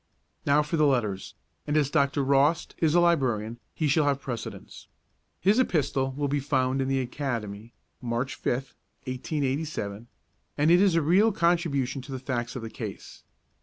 Now for the letters, and as Dr. Rost is a librarian he shall have precedence. His epistle will be found in the Academy (March 5, 1887), and it is a real contribution to the facts of the case.